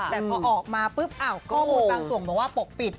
แต่พอออกมาปุ๊บข้อมูลบางส่วนบอกว่าปกปิด